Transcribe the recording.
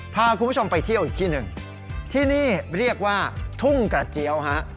พาคุณผู้ชมไปเที่ยวอีกที่หนึ่งที่นี่เรียกว่าทุ่งกระเจี๊ยวฮะ